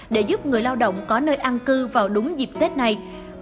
để giúp người lao động có nơi an cư vào đúng dịp tết này